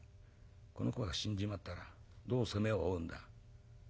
この子が死んじまったらどう責めを負うんだ。